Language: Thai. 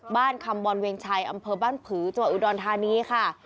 บ้านคำบรเวียงชัยอำเภอบ้านผือจังหวะอิวดรธานีค่ะ